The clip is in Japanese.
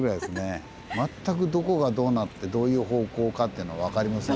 全くどこがどうなってどういう方向かって分かりません。